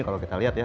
kalau kita lihat ya